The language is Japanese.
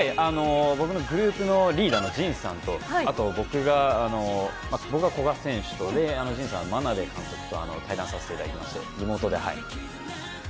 僕のグループのリーダーの陣さんと僕は古賀選手と、陣さんは眞鍋監督と対談させていただきましてリモートで。